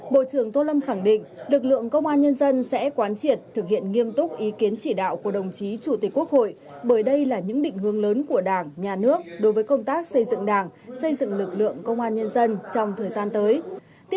bộ trưởng tô lâm khẳng định lực lượng công an nhân dân sẽ quán triệt thực hiện nghiêm túc ý kiến chỉ đạo của đồng chí chủ tịch quốc hội bởi đây là những định hướng lớn của đảng nhà nước đối với công tác xây dựng đảng xây dựng lực lượng công an nhân dân trong thời gian tới